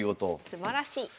すばらしい。